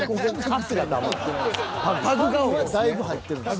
パグはだいぶ入ってるんですよ。